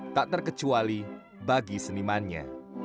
tak terkecuali bagi senimannya